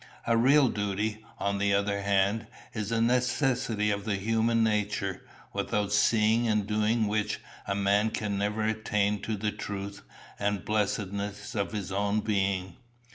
A real duty, on the other hand, is a necessity of the human nature, without seeing and doing which a man can never attain to the truth and blessedness of his own being.